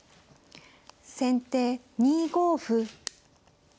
先手２五歩。